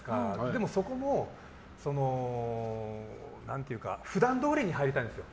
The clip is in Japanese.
でもそこも普段どおりに入りたいんですよ。